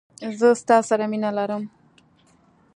زه ستا سره مینه لرم.